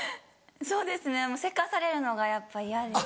そうですねもうせかされるのがやっぱ嫌です。